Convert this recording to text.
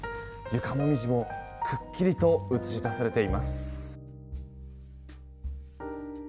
床モミジもくっきりと映し出されています。